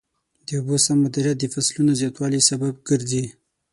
د اوبو سم مدیریت د فصلونو د زیاتوالي سبب ګرځي.